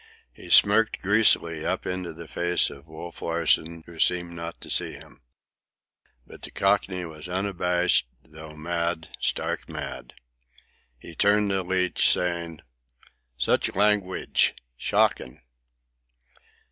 He smirked greasily up into the face of Wolf Larsen, who seemed not to see him. But the Cockney was unabashed, though mad, stark mad. He turned to Leach, saying: "Such langwidge! Shockin'!"